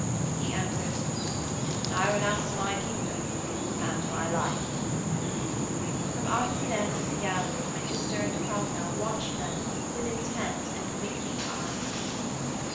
He answered: 'When I renounce my kingdom and my life!' From opposite ends of the gallery Winchester and Cromwell watched them with intent and winking eyes.